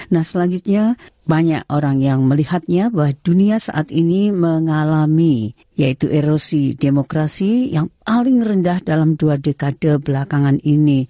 nah selanjutnya banyak orang yang melihatnya bahwa dunia saat ini mengalami yaitu erosi demokrasi yang paling rendah dalam dua dekade belakangan ini